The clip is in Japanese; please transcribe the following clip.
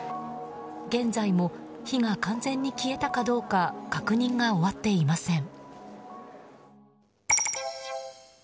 現在も火が完全に消えたかどうか確認が終わっていません。